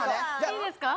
いいですか？